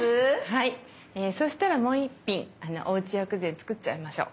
はいそうしたらもう１品おうち薬膳作っちゃいましょう。